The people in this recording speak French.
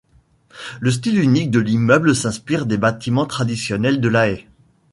Le style unique de l'immeuble s'inspire des bâtiments traditionnels de La Haye.